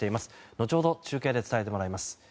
後ほど中継で伝えてもらいます。